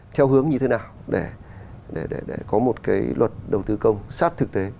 theo hướng như thế nào để có một cái luật đầu tư công sát thực tế